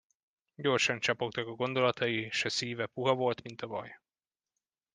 Gyorsan csapongtak a gondolatai, s a szíve puha volt, mint a vaj.